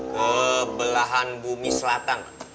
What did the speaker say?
ke belahan bumi selatan